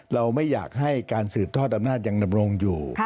เราไม่อยากให้การสืบทอดอำนาจยังดำรงอยู่